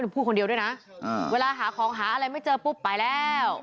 พูดคนเดียวด้วยนะเวลาหาของหาอะไรไม่เจอปุ๊บไปแล้ว